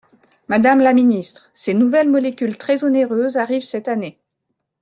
Madame la ministre, ces nouvelles molécules très onéreuses arrivent cette année.